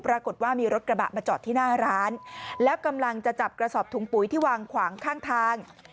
ปรากฏว่ามีรถกระบะมาจอดที่หน้าร้านแล้วกำลังจะจับกระสอบถุงปุ๋ยที่วางขวางข้างทาง